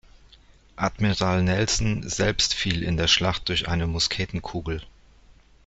Admiral Nelson selbst fiel in der Schlacht durch eine Musketenkugel.